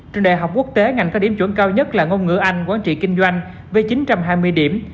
trường đại học quốc tế ngành có điểm chuẩn cao nhất là ngôn ngữ anh quản trị kinh doanh với chín trăm hai mươi điểm